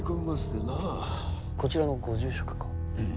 こちらのご住職か？